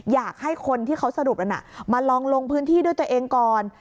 อยากให้คนที่เขาสรุปนั้นมาลองลงพื้นที่ด้วยตัวเองก่อน